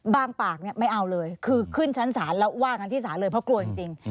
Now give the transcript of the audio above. ปากไม่เอาเลยคือขึ้นชั้นศาลแล้วว่ากันที่ศาลเลยเพราะกลัวจริง